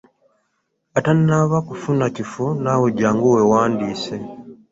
Atannaba kufuna kifo naawe jangu weewandiise.